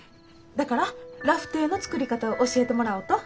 だからラフテーの作り方を教えてもらおうと。